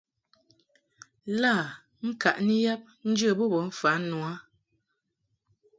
Lâ ŋkaʼni yab njə bo bə mfan nu a.